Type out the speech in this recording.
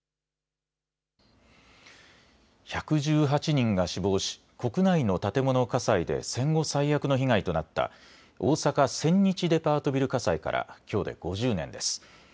１１８人が死亡し、国内の建物火災で戦後最悪の被害となった、大阪・千日デパートビル火災からきょうで５０年です。